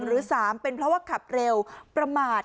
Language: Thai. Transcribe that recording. หรือ๓เป็นเพราะว่าขับเร็วประมาท